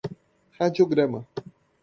radiograma